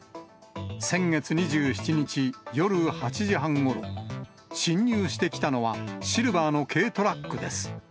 先月２７日夜８時半ごろ、侵入してきたのは、シルバーの軽トラックです。